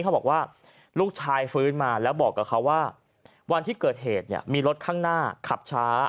เขาบอกว่าลูกชายฟื้นมาแล้วบอกกับเขาว่าวันที่เกิดเหตุเนี่ยมีรถข้างหน้าขับช้า